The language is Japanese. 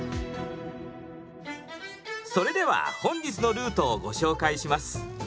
それでは本日のルートをご紹介します。